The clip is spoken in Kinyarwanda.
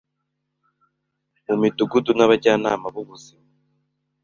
mu midugudu n’Abajyanama b’ubuzima